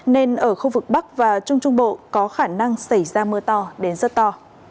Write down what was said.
nên ở khu vực bắc và trung trung bộ có khả năng xảy ra mưa to đến rất to